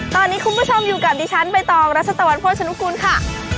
ตอนนี้คุณผู้ชมอยู่กับดิฉันใบตองรัชตะวันโภชนุกูลค่ะ